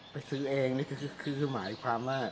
ซื้อเองนี่คือหมายความว่า